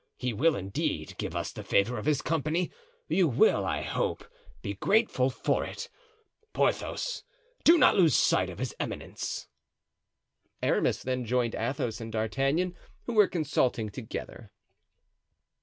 He will, indeed give us the favor of his company; you will, I hope, be grateful for it; Porthos, do not lose sight of his eminence." Aramis then joined Athos and D'Artagnan, who were consulting together.